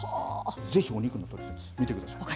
ぜひお肉のトリセツ見てください。